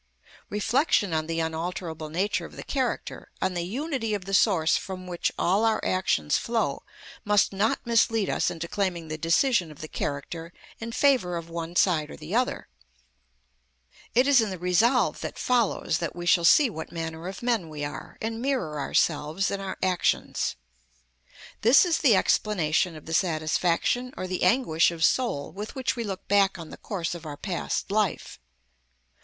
Reflection on the unalterable nature of the character, on the unity of the source from which all our actions flow, must not mislead us into claiming the decision of the character in favour of one side or the other; it is in the resolve that follows that we shall see what manner of men we are, and mirror ourselves in our actions. This is the explanation of the satisfaction or the anguish of soul with which we look back on the course of our past life.